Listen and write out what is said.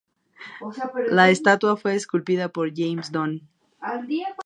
La estatua fue esculpida por James Done.